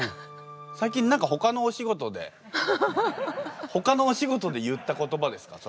最近何かほかのお仕事でほかのお仕事で言った言葉ですか？